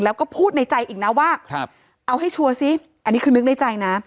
แล้วก็พูดในใจอีกนะว่าเอาให้ชัวร์ซิอันนี้คือนึกในใจนะ